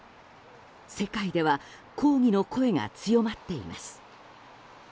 世界では抗議の声が強まっています。